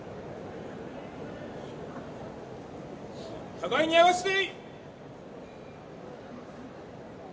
互いに合わせて。